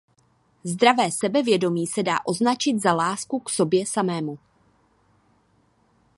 Zdravé sebevědomí se dá označit za lásku k sobě samému.